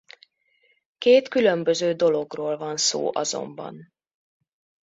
Két különböző dologról van szó azonban.